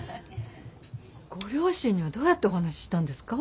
ご両親にはどうやってお話ししたんですか？